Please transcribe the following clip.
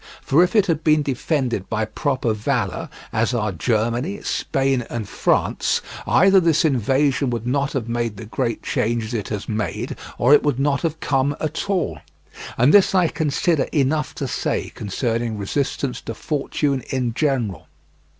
For if it had been defended by proper valour, as are Germany, Spain, and France, either this invasion would not have made the great changes it has made or it would not have come at all. And this I consider enough to say concerning resistance to fortune in general.